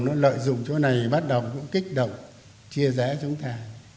nó lợi dụng chỗ này bắt đầu cũng kích động chia rẽ chúng ta